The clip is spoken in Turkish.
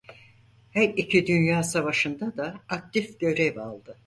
Her iki dünya savaşında da aktif görev aldı.